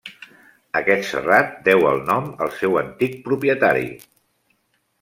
Aquest serrat deu el nom al seu antic propietari.